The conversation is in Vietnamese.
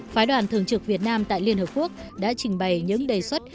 phái đoàn thường trực việt nam tại liên hợp quốc đã trình bày những đề xuất